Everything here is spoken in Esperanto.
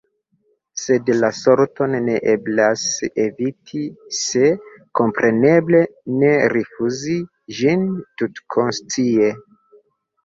Sed la sorton ne eblas eviti – se, kompreneble, ne rifuzi ĝin tutkonscie.